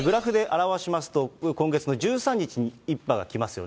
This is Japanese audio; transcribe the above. グラフで表しますと今月の１３日に１波が来ますよね。